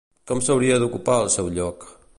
Com s'hauria d'ocupar el seu lloc?